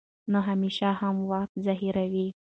نو همېشه هم وخت ظاهروي